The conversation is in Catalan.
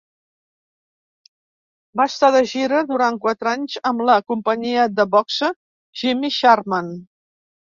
Va estar de gira durant quatre anys amb la Companyia de boxa Jimmy Sharman.